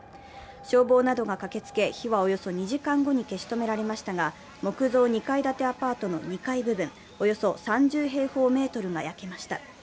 消防などが駆けつけ火はおよそ２時間後に消し止められましたが木造２階建てアパートの２階部分、およそ３０平方メートルが焼けました。